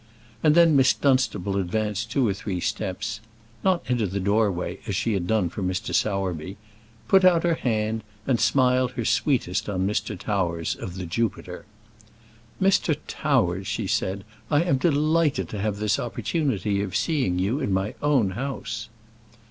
And then Miss Dunstable advanced two or three steps not into the doorway, as she had done for Mr. Sowerby put out her hand, and smiled her sweetest on Mr. Towers, of the Jupiter. "Mr. Towers," she said, "I am delighted to have this opportunity of seeing you in my own house."